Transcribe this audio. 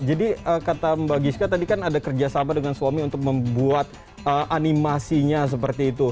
jadi kata mbak giska tadi kan ada kerjasama dengan suami untuk membuat animasinya seperti itu